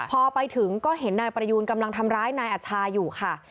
พอไปถึงก็เห็นนายประยูนกำลังทำร้ายนายอัชชาอยู่ค่ะ